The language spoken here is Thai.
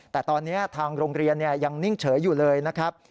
แต่ตอนนี้ทางโรงเรียนยังนิ่งเฉยอยู่เลยนะครับ